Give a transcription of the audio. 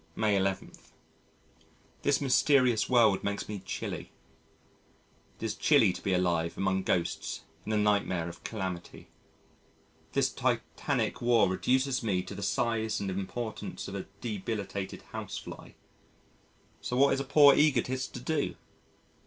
May 11. This mysterious world makes me chilly. It is chilly to be alive among ghosts in a nightmare of calamity. This Titanic war reduces me to the size and importance of a debilitated housefly. So what is a poor egotist to do?